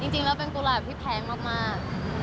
จริงแล้วเป็นกุหลาบที่แพงมาก